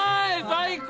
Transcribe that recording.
最高！